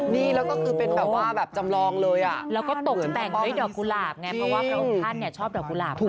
นี่แล้วก็คือเป็นแบบว่าแบบจำลองเลยอ่ะแล้วก็ตกแต่งด้วยดอกกุหลาบไงเพราะว่าพระองค์ท่านเนี่ยชอบดอกกุหลาบมาก